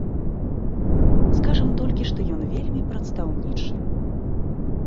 Скажам толькі, што ён вельмі прадстаўнічы.